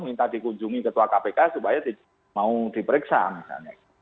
minta dikunjungi ketua kpk supaya mau diperiksa misalnya